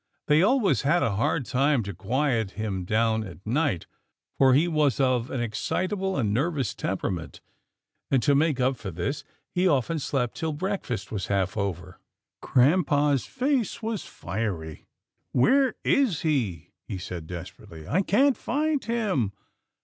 They always had a hard time to quiet him down at night, for he was of an excitable and nervous temperament, and, to make up for this, he often slept till breakfast was half over. Grampa's face was fiery. "Where is he?" he said, desperately. " I can't find him.